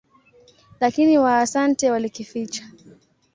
Lakini Waasante walikificha.